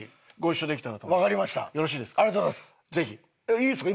いいですか？